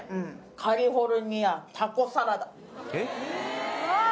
カリフォルニアタコサラダうわっ